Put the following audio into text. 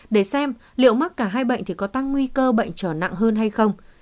để xem liệu mắc cả hai bệnh thì có tăng nguy cơ bệnh trở nặng hơn hay không